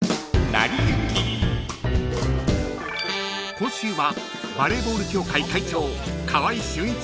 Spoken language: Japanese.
［今週は］